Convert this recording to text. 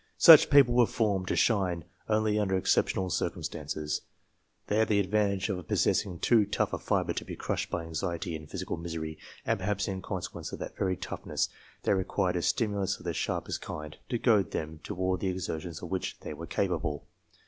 Such people were formed to shine only under exceptional circumstances. They had the advantage of possessing too tough a fibre to crushed by anxiety and physical misery, and perhaps in consequence of that very toughness, they required a stimulus of the sharpest kind, to goad them to all the :ertions of which they were capable.